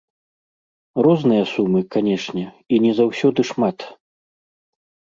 Розныя сумы, канечне, і не заўсёды шмат.